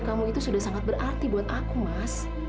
kamu itu sudah sangat berarti buat aku mas